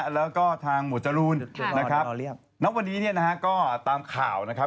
แล้วก็ทางหมวดจรูนนะครับณวันนี้เนี่ยนะฮะก็ตามข่าวนะครับ